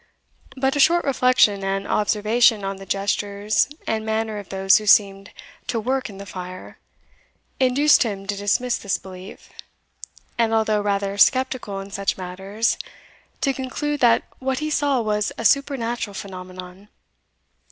But a short reflection and observation on the gestures and manner of those who seemed to "work in the fire," induced him to dismiss this belief, and although rather sceptical in such matters, to conclude that what he saw was a supernatural phenomenon.